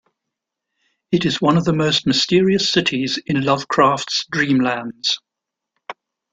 It is one of the most mysterious cities in Lovecraft's Dreamlands.